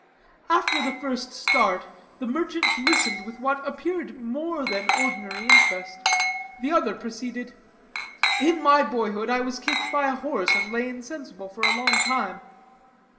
After the first start, the merchant listened with what appeared more than ordinary interest. The other proceeded: "In my boyhood I was kicked by a horse, and lay insensible for a long time.